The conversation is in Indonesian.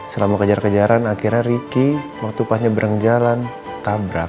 selama kejar kejaran akhirnya ricky waktu pas nyeberang jalan tabrak